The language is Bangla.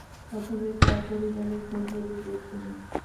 প্রথমে তার পরিবারের কুন্ডলী বের করি।